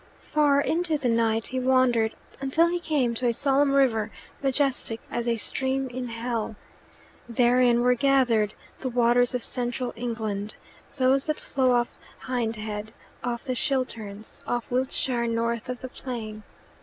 Far into the night he wandered, until he came to a solemn river majestic as a stream in hell. Therein were gathered the waters of Central England those that flow off Hindhead, off the Chilterns, off Wiltshire north of the Plain.